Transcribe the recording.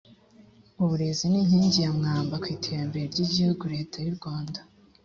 uburezi ni inkingi ya mwamba mu iterambere ry igihugu leta y urwanda